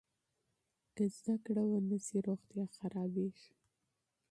که تعلیم ونه سي، روغتیا خرابېږي.